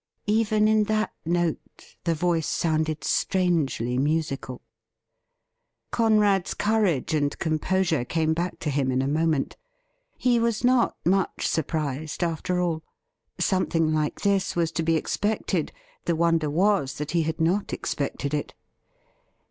Even in that note the voice sounded strangely musical. Conrad's courage and composure came back to him in a moment. He was not much surprised, after all. Some thing like this was to be expected ; the wonder was that he had not expected it.